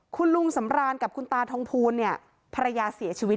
คุณลุงสำรานกับคุณตาทองภูลเนี่ยภรรยาเสียชีวิต